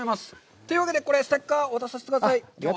というわけでこれ、ステッカーを渡させてください。